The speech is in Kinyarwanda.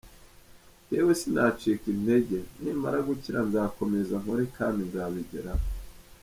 Njyewe sinacika intege nimara gukira nzakomeza nkore kandi nzabigeraho.